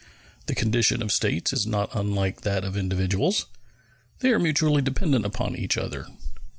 The condition of States is not unlike that of individuals; they are mutually dependent upon each other.